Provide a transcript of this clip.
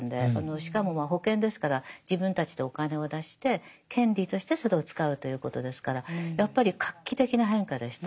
しかもまあ保険ですから自分たちでお金を出して権利としてそれを使うということですからやっぱり画期的な変化でした。